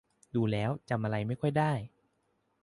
ดูแล้วจำอะไรไม่ค่อยได้